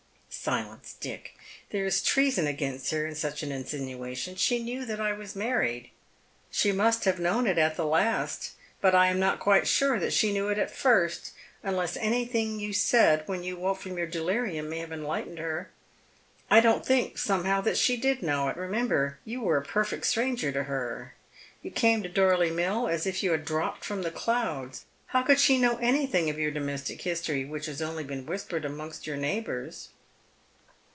" Silence, Dick. There is treason against her in such an insinua tion. She knew that I was married." " She must have known it at the last, but I am not quite sure that she knew it at first, unless anything you said when jot awoke from your delirium may have enlightened her. I don't think, somehow, that she did know it. Remember, you were $ 270 Dead Men's Shoet. perfect stranger to her. You came to Dorley Mill as if you had dropped from the clouds. How should she know anything of four domestic history^ which has only been whispered amongst your neighbours